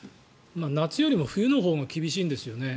夏よりも冬のほうが厳しいんですよね。